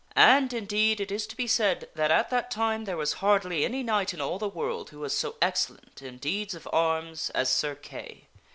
And, indeed, it is to be said that at that time there was hardly any knight in all the world who was so excellent in deeds of arms as Sir Kay.